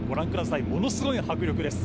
ものすごい迫力です。